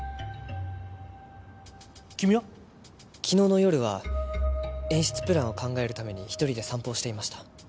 昨日の夜は演出プランを考えるために１人で散歩をしていました。